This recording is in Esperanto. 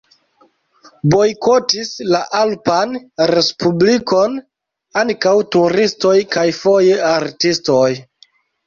Bojkotis la alpan respublikon ankaŭ turistoj kaj foje artistoj.